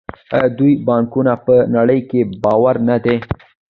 آیا د دوی بانکونه په نړۍ کې باوري نه دي؟